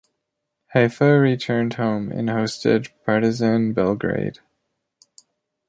Haifa returned home and hosted Partizan Belgrade.